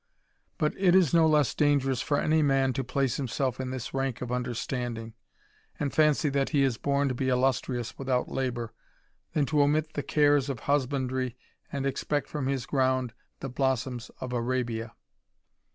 But it is no less dangerous for any man to plac^^ himself in this rank of understanding, and fancy that he i^ born to be illustrious without labour, than to omit the cares of husbandry, and expect from his ground the blossoms of Arabia.